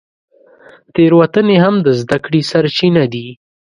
تېروتنې هم د زده کړې سرچینه دي.